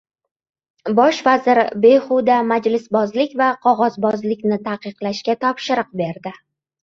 Bosh vazir behuda majlisbozlik va qog‘ozbozlikni taqiqlashga topshiriq berdi